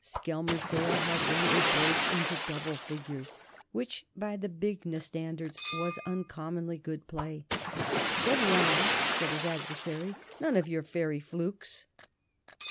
Skelmersdale had run a break into double figures, which, by the Bignor standards, was uncommonly good play. "Steady on!" said his adversary. "None of your fairy flukes!"